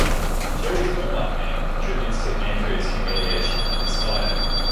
Jerry's Warm-Up Man contributes to Andrea's humiliation and is fired.